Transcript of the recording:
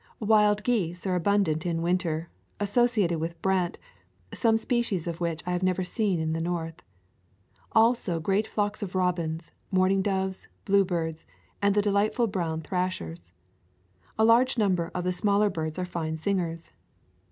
Wild geese are abundant in winter, associated with brant, some species of which I have never seen in the North. Also great flocks of robins, mourning doves, bluebirds, and the delightful brown thrashers. A large number of the smaller birds are fine singers.